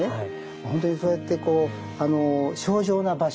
本当にそういってこう清浄な場所。